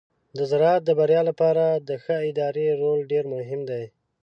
د زراعت د بریا لپاره د ښه ادارې رول ډیر مهم دی.